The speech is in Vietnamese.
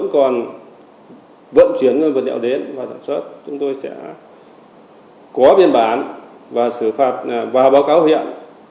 có biên bản và xử phạt vào báo cáo huyện